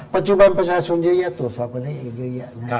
ปัจจุบันประชาชนเยอะแยะตรวจสอบไปได้เองเยอะแยะเนี่ย